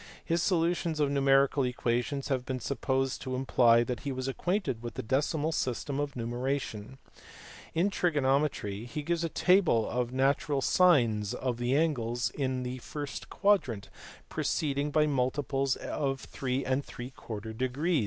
His solutions of numerical equations have been supposed to imply that he was acquainted with the decimal system of numeration. In trigonometry he gives a table of natural sines of the angles in the first quadrant, proceeding by multiples of 3|, * A Sanskrit text of the Aryabhathiya, edited by H.